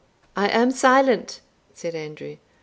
"I am silent," said Andrew.